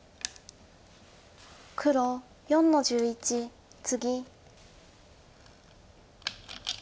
黒４の十一ツギ。